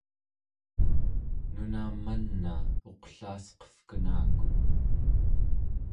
nuna man'a uqlaasqevkenaku